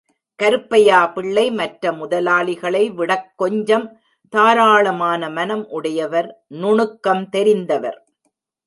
கருப்பையா பிள்ளை மற்ற முதலாளிகளை விடக்கொஞ்சம் தாராளமான மனம் உடையவர் நுணுக்கம் தெரிந்தவர்.